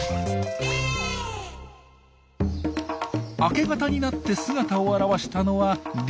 明け方になって姿を現したのはリスです。